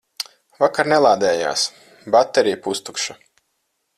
Vakar nelādējās, baterija pustukša.